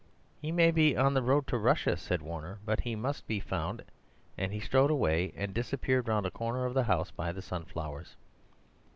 "He may be on the road to Russia," said Warner, "but he must be found." And he strode away and disappeared round a corner of the house by the sunflowers.